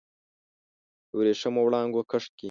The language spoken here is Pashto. د وریښمېو وړانګو کښت کې